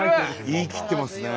言い切ってますね。